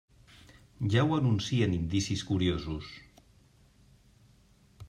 Ja ho anuncien indicis curiosos.